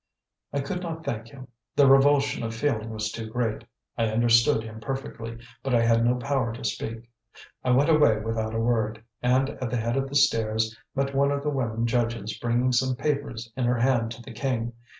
I could not thank him; the revulsion of feeling was too great. I understood him perfectly, but I had no power to speak. I went away without a word, and at the head of the stairs met one of the women judges bringing some papers in her hand to the king.